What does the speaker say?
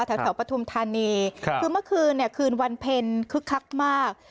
แถวปฐุมธานีคือเมื่อคืนเนี่ยคืนวันเพ็ญคึกคักมาก